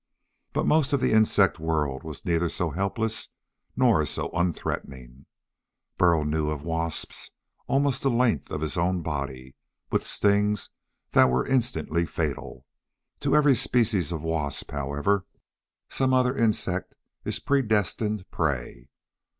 But most of the insect world was neither so helpless nor so unthreatening. Burl knew of wasps almost the length of his own body, with stings that were instantly fatal. To every species of wasp, however, some other insect is predestined prey.